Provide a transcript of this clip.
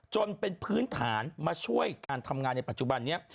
จนเป็นพื้นฐานมาช่วยการทำงานในปัจจุบันนี้